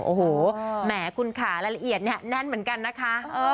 โอ้โหแหมคุณค่ะรายละเอียดเนี่ยแน่นเหมือนกันนะคะ